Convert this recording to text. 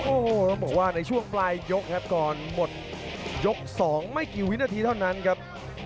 โอ้โหต้องบอกว่าในช่วงปลายยกครับก่อนหมดยก๒ไม่กี่วินาทีเท่านั้นครับ